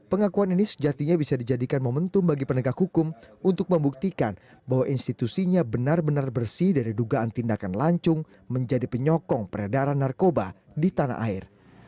pengakuan ini sejatinya bisa dijadikan momentum bagi penegak hukum untuk membuktikan bahwa institusinya benar benar bersih dari dugaan tindakan lancung menjadi penyokong peredaran narkoba di tanah air